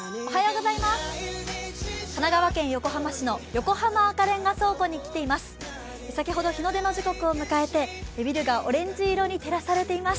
神奈川県横浜市の横浜赤レンガ倉庫に来ています。